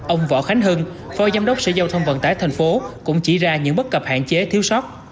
ông võ khánh hưng phó giám đốc sở giao thông vận tải thành phố cũng chỉ ra những bất cập hạn chế thiếu sóc